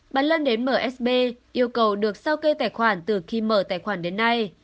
bà lân đến msb yêu cầu được sao kê tài khoản từ khi mở tài khoản đến nay